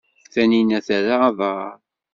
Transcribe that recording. Taninna terra aḍar.